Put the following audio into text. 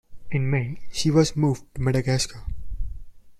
In May she was moved to Madagascar.